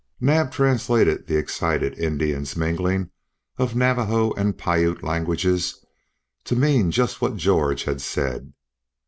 Naab translated the excited Indian's mingling of Navajo and Piute languages to mean just what George had said.